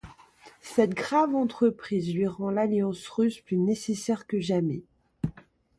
Cette grave entreprise lui rend l'alliance russe plus nécessaire que jamais.